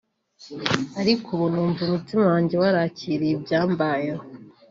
ariko ubu numva umutima wanjye warakiriye ibyambayeho